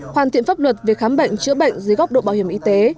hoàn thiện pháp luật về khám bệnh chữa bệnh dưới góc độ bảo hiểm y tế